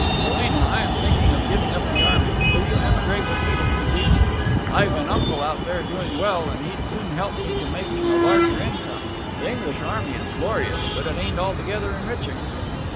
'Selina, I am thinking of giving up the army. Will you emigrate with me to New Zealand? I've an uncle out there doing well, and he'd soon help me to making a larger income. The English army is glorious, but it ain't altogether enriching.'